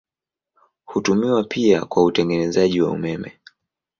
Hutumiwa pia kwa utengenezaji wa umeme.